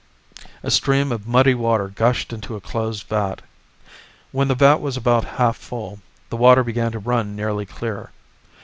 A stream of muddy water gushed into a closed vat. When the vat was about half full, the water began to run nearly clear.